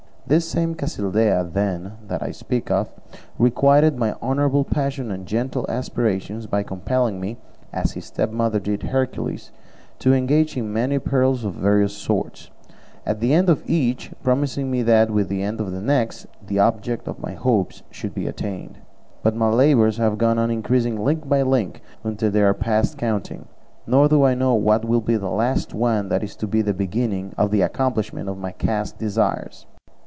This same Casildea, then, that I speak of, requited my honourable passion and gentle aspirations by compelling me, as his stepmother did Hercules, to engage in many perils of various sorts, at the end of each promising me that, with the end of the next, the object of my hopes should be attained; but my labours have gone on increasing link by link until they are past counting, nor do I know what will be the last one that is to be the beginning of the accomplishment of my chaste desires.